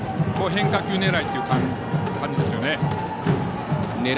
変化球狙いという感じですよね。